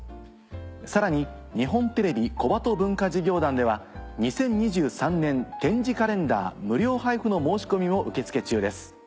さらに日本テレビ小鳩文化事業団では２０２３年点字カレンダー無料配布の申し込みも受け付け中です。